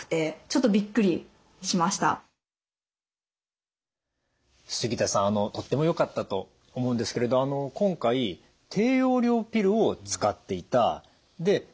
自分でこう杉田さんとってもよかったと思うんですけれど今回低用量ピルを使っていたで漢方に乗り換えた。